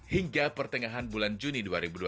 hingga pertengahan bulan juni dua ribu dua puluh